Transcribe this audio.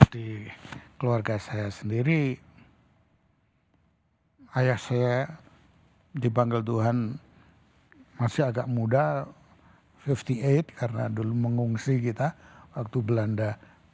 di keluarga saya sendiri ayah saya dipanggil tuhan masih agak muda lima puluh delapan karena dulu mengungsi kita waktu belanda